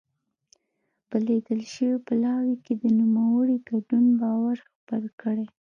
په لېږل شوي پلاوي کې د نوموړي ګډون باور خپل کړي.